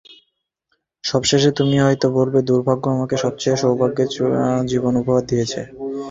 সবশেষে, তুমি হয়তো বলবে দুর্ভাগ্য আমাকে সবচেয়ে সৌভাগ্যের জীবন উপহার দিয়েছে।